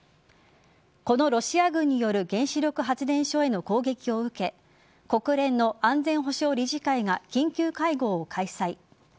このロシア軍による原子力発電所への攻撃を受け国連の安全保障理事会が緊急会合を開催。